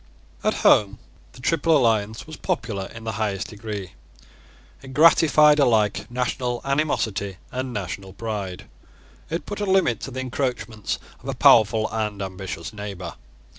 At home the Triple Alliance was popular in the highest degree. It gratified alike national animosity and national pride. It put a limit to the encroachments of a powerful and ambitious neighbour.